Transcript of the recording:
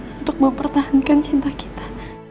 untuk mempertahankan cinta kita